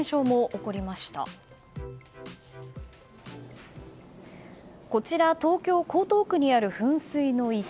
こちら東京・江東区にある噴水の池。